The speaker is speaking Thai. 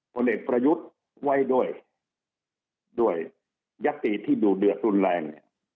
คนเอกประยุทธ์ไว้ด้วยด้วยยัตริย์ที่ดูเดือดรุนแรง